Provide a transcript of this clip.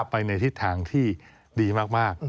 ไปในทิศทางที่ดีมาก